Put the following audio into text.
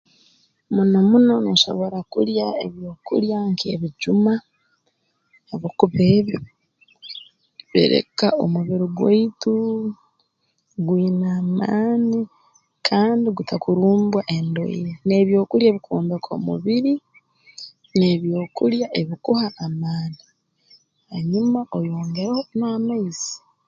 Muno muno noosobora kulya ebyokulya nk'ebijuma habwokuba ebyo bireka omubiri gwaitu gwine amaani kandi gutakurumbwa endwaire n'ebyokulya ebikwombeka omubiri n'ebyokulya ebikuha amaani hanyuma oyongereho n'amaizi